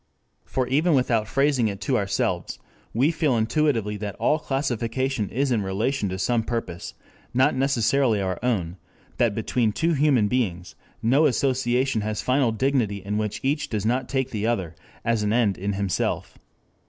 For even without phrasing it to ourselves, we feel intuitively that all classification is in relation to some purpose not necessarily our own; that between two human beings no association has final dignity in which each does not take the other as an end in himself.